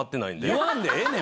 言わんでええねん！